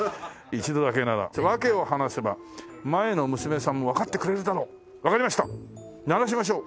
「一度だけなら訳を話せば前の娘さんもわかってくれるだろう」「分かりました鳴らしましょう」